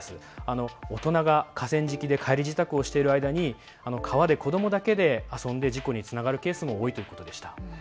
大人が河川敷で帰り支度をしている間に川で子どもだけで遊んで事故につながるケースも多いということでした。